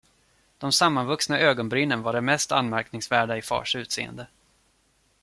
De sammanvuxna ögonbrynen var det mest anmärkningsvärda i fars utseende.